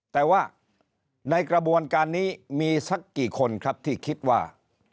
แต่ว่าในกระบวนการนี้มีสักกี่คนครับที่คิดว่า